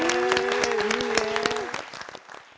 いいね。